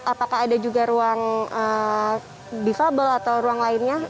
apakah ada juga ruang difabel atau ruang lainnya